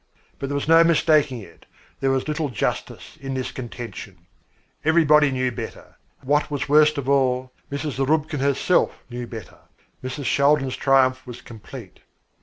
But there was no mistaking it, there was little justice in this contention. Everybody knew better; what was worst of all, Mrs. Zarubkin herself knew better. Mrs. Shaldin's triumph was complete.